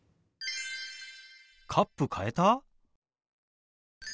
カップ変えた？